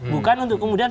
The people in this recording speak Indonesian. bukan untuk kemudian